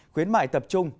khuyến mại tập trung